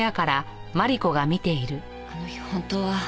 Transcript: あの日本当は。